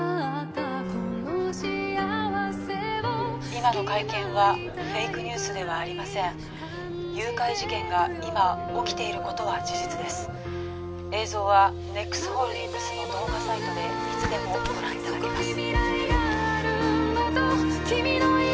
今の会見はフェイクニュースではありません誘拐事件が今起きていることは事実です映像はＮＥＸホールディングスの動画サイトでいつでもご覧いただけます